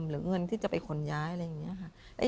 หรือเงินที่จะไปขนย้ายอะไรอย่างนี้ค่ะ